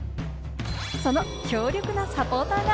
その強力なサポーターが。